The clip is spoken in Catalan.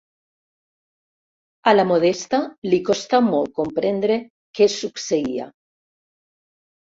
A la Modesta li costà molt comprendre què succeïa.